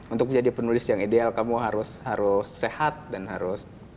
untuk menjadi penulis yang ideal kamu harus sehat dan harus